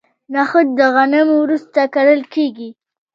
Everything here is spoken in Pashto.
نخود د غنمو وروسته کرل کیږي.